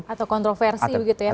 atau kontroversi begitu ya